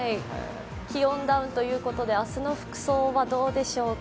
気温ダウンということで明日の服装はどうでしょうか。